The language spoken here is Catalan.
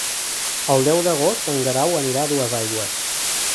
El deu d'agost en Guerau anirà a Duesaigües.